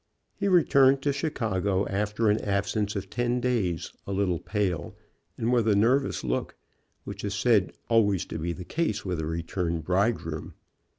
He returned to Chicago after an absence of ten days, a little pale, and with a nervous look, which is said to always be the case with a returned bridegroom.